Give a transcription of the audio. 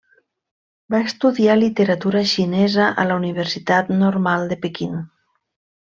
Va estudiar literatura xinesa a la Universitat Normal de Pequín.